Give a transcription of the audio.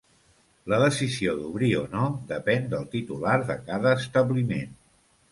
La decisió d'obrir o no depèn del titular de cada establiment.